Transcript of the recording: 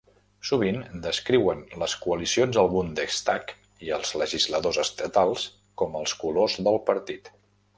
Sovint, descriuen les coalicions al Bundestag i els legisladors estatals amb els colors del partit.